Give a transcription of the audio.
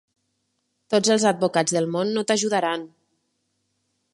Tots els advocats del món no t'ajudaran!